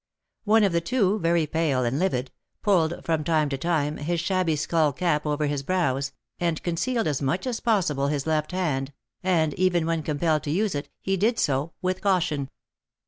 One of the two, very pale and livid, pulled, from time to time, his shabby skull cap over his brows, and concealed as much as possible his left hand, and, even when compelled to use it, he did so with caution.